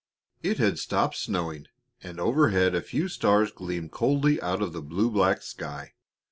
It had stopped snowing, and overhead a few stars gleamed coldly out of the blue black sky.